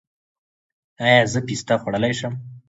ایا زه پسته خوړلی شم؟